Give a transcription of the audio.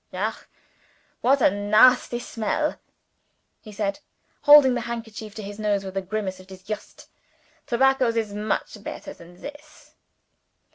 "Ach! what a nasty smell!" he said, holding the handkerchief to his nose with a grimace of disgust. "Tobaccos is much better than this."